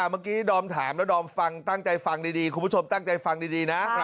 เมื่อกี้ดอมถามแล้วดอมฟังตั้งใจฟังดีคุณผู้ชมตั้งใจฟังดีนะ